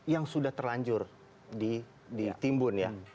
yang sudah terlanjur di timbun ya